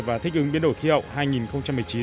và thích ứng biến đổi khí hậu hai nghìn một mươi chín